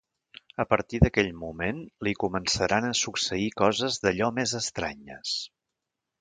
A partir d’aquell moment, li començaran a succeir coses d’allò més estranyes.